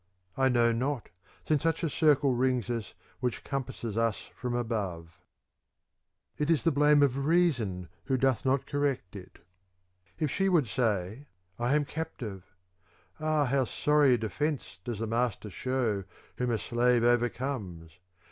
I know not, since such a circle rings us which compasses us from above. ^ It is the blame of reason who doth not correct it. If she would say :' I am captive,' ah how sorry a defence does the master show whom a slave over comes